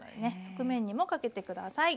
側面にもかけて下さい。